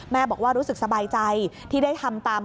บอกว่ารู้สึกสบายใจที่ได้ทำตาม